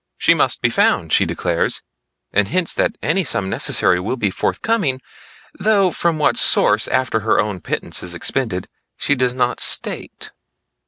'She must be found,' she declares, and hints that any sum necessary will be forthcoming, though from what source after her own pittance is expended she does not state.